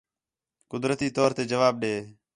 قدرتی طور تے جواب ݙے